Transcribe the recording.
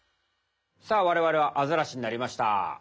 さあわれわれはアザラシになりました。